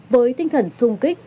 với tinh thần sung kích